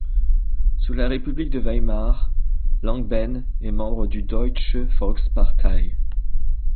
Sous la république de Weimar, Langbehn est membre du Deutsche Volkspartei.